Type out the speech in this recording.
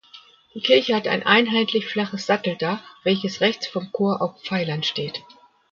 Die Kirche hat ein einheitlich flaches Satteldach welches rechts vom Chor auf Pfeilern steht.